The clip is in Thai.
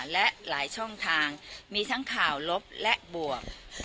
และหลายช่องทางมีทั้งข่าวลบและบวก